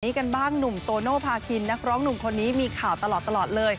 กันบ้างหนุ่มโตโนภาคินนักร้องหนุ่มคนนี้มีข่าวตลอดเลย